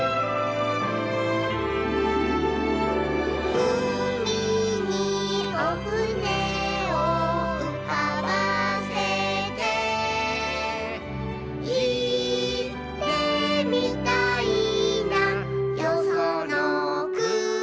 「うみにおふねをうかばせて」「いってみたいなよそのくに」